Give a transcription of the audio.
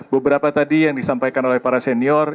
beberapa tadi yang disampaikan oleh para senior